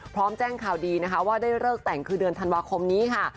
พร้อมแจ้งข่าวดีนะคะว่าได้เลิกแต่งคือเดือนธันวาคมนี้ค่ะ